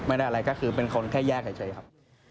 ไม่ได้อะไรก็คือเป็นคนแค่แยกหายใจครับ